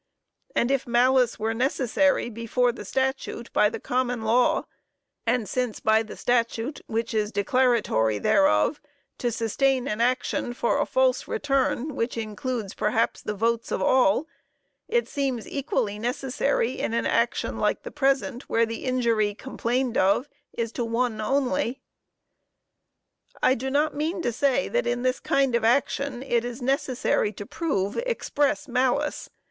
And if malice were necessary before the statute by the common law, and since by the statute which is declaratory thereof, to sustain an action for a false return which includes perhaps the votes of all, it seems equally necessary in an action like the present where the injury complained of is to one only. "I do not mean to say, that in this kind of action, it is necessary to prove express malice.